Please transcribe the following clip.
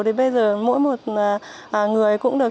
thì bây giờ mỗi một người cũng được